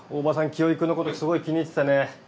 清居君のことすごい気に入っててね。